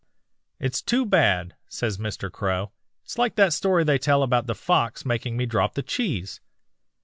"'It's too bad,' says Mr. Crow. 'It's like that story they tell about the fox making me drop the cheese.'